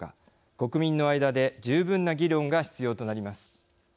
国民の間で十分な議論が必要となります。